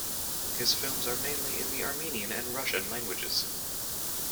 His films are mainly in the Armenian and Russian languages.